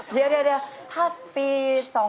เดี๋ยวถ้าปี๒๕๕๙